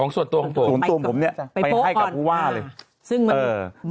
ของส่วนตัวของตัวของส่วนตัวของผมเนี่ยไปให้กับผู้ว่าเลย